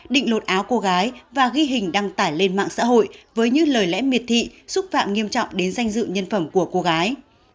định lột áo cô gái và ghi hình đăng tải lên mạng xã hội với những lời lẽ miệt thị xúc phạm nghiêm trọng đến danh dự nhân phẩm của cô gái